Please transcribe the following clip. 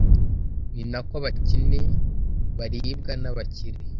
ni na ko abakene baribwa n'abakire